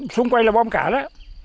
xung quanh là bom cả đó